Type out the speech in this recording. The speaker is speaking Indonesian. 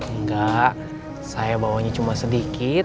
enggak saya bawanya cuma sedikit